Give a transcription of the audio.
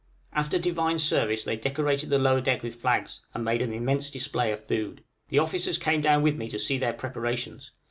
After Divine Service they decorated the lower deck with flags, and made an immense display of food. The officers came down with me to see their preparations.